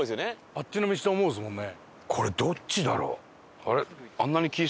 あっちの道と思いますもんね。